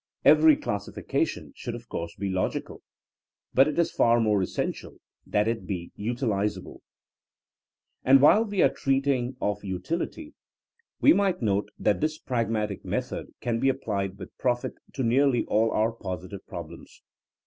Every classifica tion should of course be logical; but it is far more essential that it be utilizable. And while we are treating of utility, we 'ASee William A. Scott, Money. 20 THZNEINa AS A 8CIEN0E might note that this pragmatic method can be applied with profit to nearly all our positive problems.